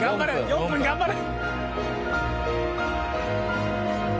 ４分頑張れ！